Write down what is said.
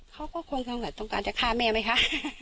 เขาก็คงสงสัยต้องการจะฆ่าแม่ไหมคะ